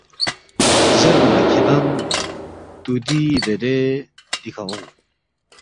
زیربا نہ، کِھدانگ تُودیی ریرے دِکھہ اونگ